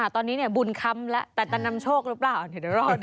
ตอนนี้บุญค้ำแล้วแต่จะนำโชคหรือเปล่าเดี๋ยวรอดู